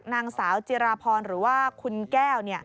นางสาวจิราพรหรือว่าคุณแก้ว